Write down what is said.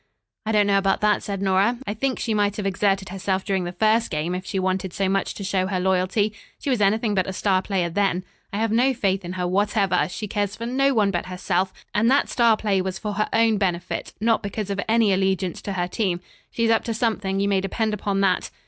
"I don't know about that," said Nora, "I think she might have exerted herself during the first game if she wanted so much to show her loyalty. She was anything but a star player, then. I have no faith in her, whatever. She cares for no one but herself, and that star play was for her own benefit, not because of any allegiance to her team. She's up to something, you may depend upon that."